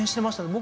僕